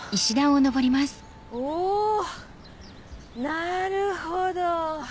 なるほど。